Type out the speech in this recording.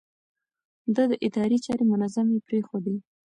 ده د ادارې چارې منظمې پرېښودې.